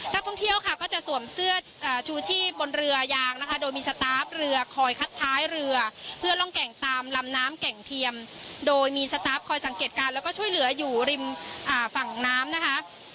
นักท่องเที่ยวค่ะก็จะสวมเสื้อชูชีพบนเรือยางนะคะโดยมีสตาร์ฟเรือคอยคัดท้ายเรือเพื่อล่องแก่งตามลำน้ำแก่งเทียมโดยมีสตาร์ฟคอยสังเกตการณ์แล้วก็ช่วยเหลืออยู่ริมฝั่งน้ำนะคะ